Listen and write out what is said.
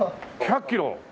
１００キロ？